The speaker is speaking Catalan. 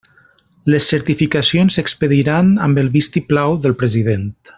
Les certificacions s'expediran amb el vis-i-plau del President.